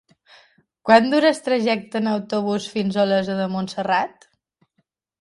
Quant dura el trajecte en autobús fins a Olesa de Montserrat?